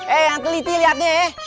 eh yang teliti liatnya ya